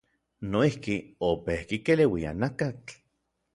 Noijki, opejki keleuia nakatl.